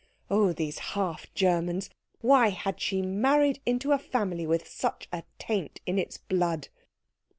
Oh, these half Germans! Why had she married into a family with such a taint in its blood?